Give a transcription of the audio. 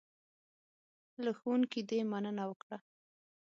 له ښوونکي دې مننه وکړه .